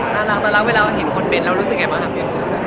น่ารักแต่เล่าเวลาเห็นคนเป็นเรารู้สึกยังไงรึทยม